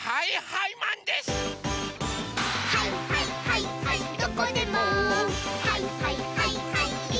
「はいはいはいはいマン」